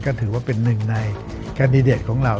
ก็ถือว่าเป็นหนึ่งในแคนดิเดตของเรา